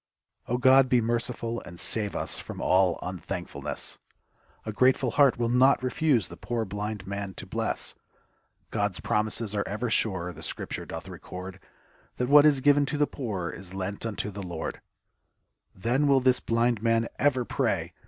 . Oh, God, be merciful and save Us from all un thank fulness ! A grateful heart will not refuse The poor blind man to bless. God's promises are ever sure, • The scripture. <doth record That what is given to the poor ! Is lent unto the Lord. I Then will this blind man over pray